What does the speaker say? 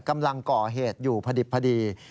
กำลังก่อเหตุอยู่พอดี